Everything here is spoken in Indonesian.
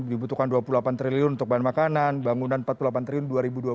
dibutuhkan dua puluh delapan triliun untuk bahan makanan bangunan empat puluh delapan triliun dua ribu dua puluh